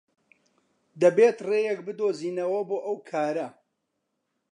دەبێت ڕێیەک بدۆزینەوە بۆ ئەو کارە.